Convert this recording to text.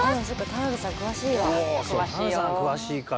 田辺さん詳しいや。